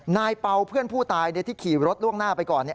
เป่าเพื่อนผู้ตายที่ขี่รถล่วงหน้าไปก่อน